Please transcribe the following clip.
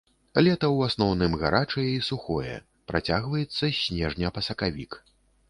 Лета ў асноўным гарачае і сухое, працягваецца з снежня па сакавік.